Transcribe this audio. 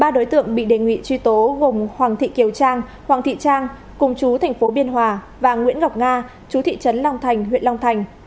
ba đối tượng bị đề nghị truy tố gồm hoàng thị kiều trang hoàng thị trang cùng chú thành phố biên hòa và nguyễn ngọc nga chú thị trấn long thành huyện long thành